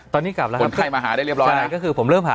ตอนนี้กลับแล้วครับคุณไข้มาหาได้เรียบร้อยนะครับใช่ก็คือผมเริ่มหา